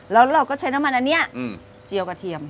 แล้วเราก็ใช้น้ำมันอันนี้เจียวกระเทียม